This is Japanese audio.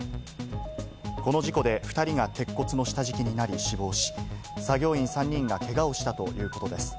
この事故で２人が鉄骨の下敷きになり死亡し、作業員３人がけがをしたということです。